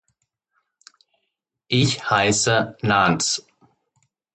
Ich heisse Nans.